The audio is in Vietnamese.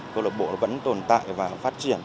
câu lạc bộ vẫn tồn tại và phát triển